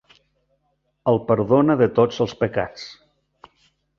El perdona de tots els pecats.